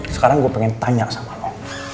sekarang gue pengen tanya sama lo